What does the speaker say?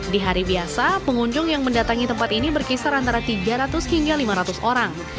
di hari biasa pengunjung yang mendatangi tempat ini berkisar antara tiga ratus hingga lima ratus orang